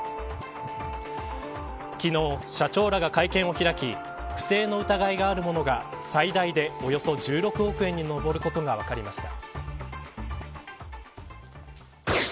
昨日、社長らが会見を開き不正の疑いがあるものが最大でおよそ１６億円に上ることが分かりました。